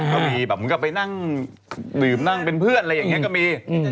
ก็มีแบบเหมือนกับไปนั่งดื่มนั่งเป็นเพื่อนอะไรอย่างนี้ก็มี